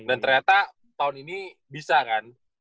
dan ternyata tahun ini bisa kan